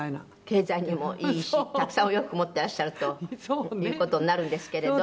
経済にもいいしたくさんお洋服持ってらっしゃるという事になるんですけれど。